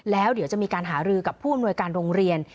แล้วเดี๋ยวจะมีการหารือกับผู้อำนวยการโรงเรียน